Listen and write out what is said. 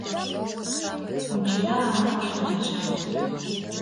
Ончеда аман шинчашкем